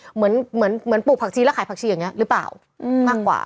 เหมือนปลูกผักชีแล้วขายผักชีอย่างนี้หรือเปล่า